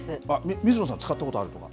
水野さん、使ったことあるとか？